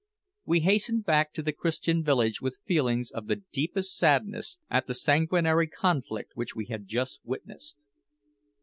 We hastened back to the Christian village with feelings of the deepest sadness at the sanguinary conflict which we had just witnessed.